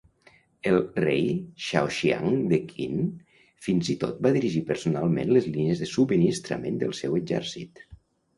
El rei Zhaoxiang de Qin fins i tot va dirigir personalment les línies de subministrament del seu exèrcit.